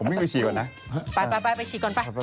ผมยิ่งไปฉีกก่อนนะไปไปฉีกก่อนไป